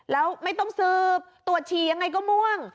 แล้วไม่ต้องสืบตรวจฉี่ยังไงก็ม่วง